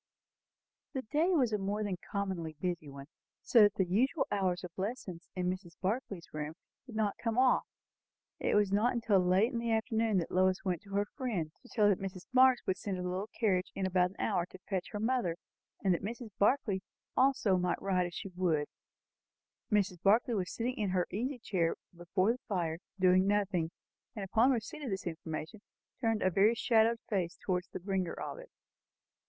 The day was a more than commonly busy one, so that the usual hours of lessons in Mrs. Barclay's room did not come off. It was not till late in the afternoon that Lois went to her friend, to tell her that Mrs. Marx would send her little carriage in about an hour to fetch her mother, and that Mrs. Barclay also might ride if she would. Mrs. Barclay was sitting in her easy chair before the fire, doing nothing, and on receipt of this in formation turned a very shadowed face towards the bringer of it.